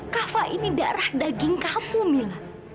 kava ini darah daging kapu mila